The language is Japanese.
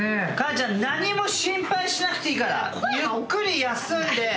母ちゃん、何も心配しなくていいから。ゆっくり休んで。